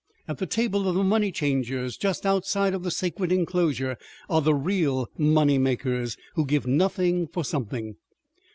At the tables of the "money changers," just outside of the sacred enclosure, are the real moneymakers, who give nothing for something.